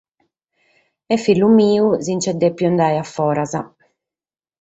E fìgiu meu si nch’est dèpidu andare fora.